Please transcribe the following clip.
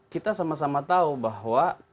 kita sama sama tahu bahwa